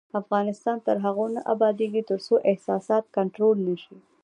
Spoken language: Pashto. افغانستان تر هغو نه ابادیږي، ترڅو احساسات کنټرول نشي.